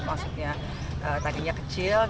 maksudnya tadinya kecil